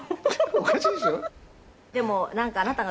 おかしいでしょ？